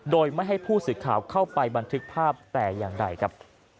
โดยไม่ให้ผู้สื่อข่าวเข้าไปบันทึกภาพแต่อย่างใดครับ